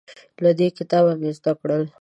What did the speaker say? له دې کتابه مې زده کړل